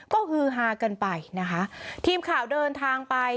ก็คือหากละเลยกินไปทีมข่าวเดินทางไป